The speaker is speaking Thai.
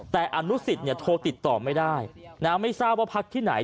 แต่อนุสิตโทรติดต่อไม่ได้ไม่ทราบว่าพักที่ไหน